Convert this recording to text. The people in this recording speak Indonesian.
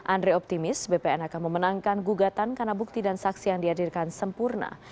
andre optimis bpn akan memenangkan gugatan karena bukti dan saksi yang dihadirkan sempurna